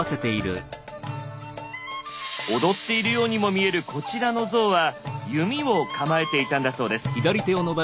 踊っているようにも見えるこちらの像は弓を構えていたんだそうです。